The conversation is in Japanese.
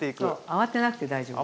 そう慌てなくて大丈夫。